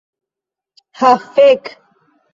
Ha fek'